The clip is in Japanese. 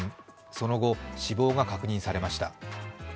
その後、死亡が確認されました。